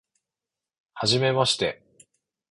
はじめまして